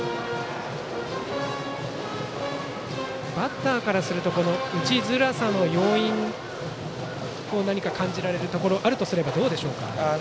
バッターからすると打ちづらさの要因、何か感じられるところがあるとすればどうでしょうか。